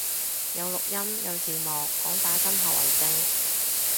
有錄音有字幕，講打針後遺症